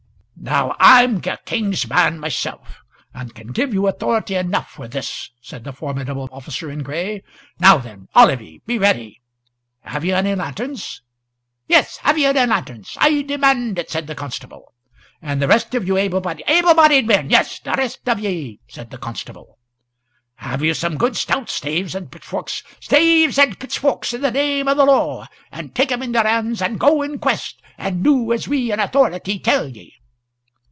"Now, I'm a king's man myself, and can give you authority enough for this," said the formidable person in cinder gray. "Now then, all of ye, be ready. Have ye any lanterns?" "Yes; have ye any lanterns? I demand it," said the constable. "And the rest of you able bodied " "Able bodied men yes the rest of ye," said the constable. "Have you some good stout staves and pitchforks " "Staves and pitchforks in the name o' the law. And take 'em in yer hands and go in quest, and do as we in authority tell ye."